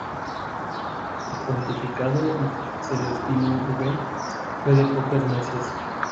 El pontificado de Celestino V fue de pocos meses.